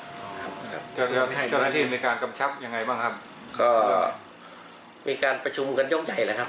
ครับครับเจ้าที่ในการกำชับยังไงบ้างครับก็มีการประชุมกันยกใหญ่แหละครับ